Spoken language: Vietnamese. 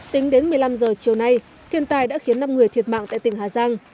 tính đến một mươi năm h chiều nay thiên tai đã khiến năm người thiệt mạng tại tỉnh hà giang